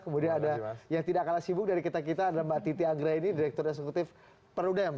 kemudian ada yang tidak kalah sibuk dari kita kita ada mbak titi anggraini direktur eksekutif perudem